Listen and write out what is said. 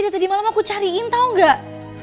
tadi malam aku cariin tau gak